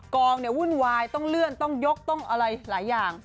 กองเนี่ยวุ่นวายต้องเลื่อนต้องยกต้องอะไรหลายอย่าง